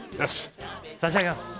差し上げます！